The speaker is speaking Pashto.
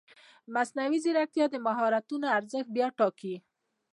مصنوعي ځیرکتیا د مهارتونو ارزښت بیا ټاکي.